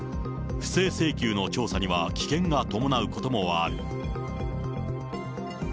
不正請求の調査には危険が伴うこともあるという。